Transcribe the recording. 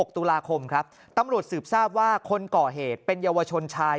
ตุลาคมครับตำรวจสืบทราบว่าคนก่อเหตุเป็นเยาวชนชาย